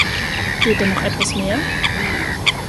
Geht da noch etwas mehr?